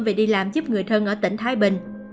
về đi làm giúp người thân ở tỉnh thái bình